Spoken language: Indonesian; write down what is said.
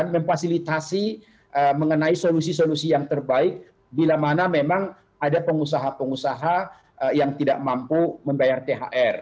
memfasilitasi mengenai solusi solusi yang terbaik bila mana memang ada pengusaha pengusaha yang tidak mampu membayar thr